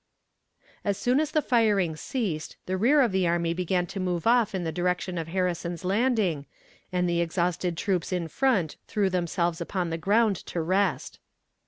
As soon as the firing ceased the rear of the army began to move off in the direction of Harrison's Landing, and the exhausted troops in front threw themselves upon the ground to rest.